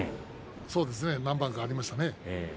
そうですね、何番かありましたね。